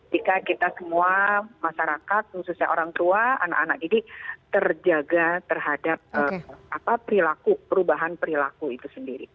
jika kita semua masyarakat khususnya orang tua anak anak didik terjaga terhadap perubahan perilaku itu sendiri